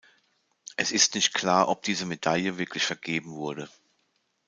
Es ist nicht klar, ob diese Medaille wirklich vergeben wurde.